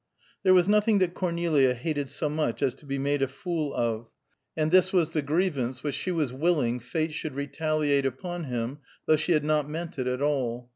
There was nothing that Cornelia hated so much as to be made a fool of, and this was the grievance which she was willing fate should retaliate upon him, though she had not meant it at all.